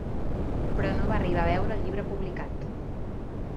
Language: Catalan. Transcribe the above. Però no va arribar a veure el llibre publicat.